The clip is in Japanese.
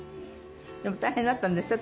でも大変だったんでしょ？